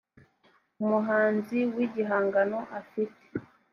umuhanzi w igihangano afite